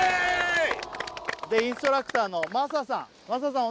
でインストラクターのマサさんマサさん